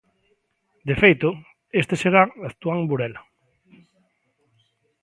De feito, este serán actúan en Burela.